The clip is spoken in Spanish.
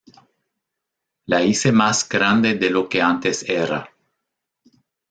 La hice más grande de lo que antes era.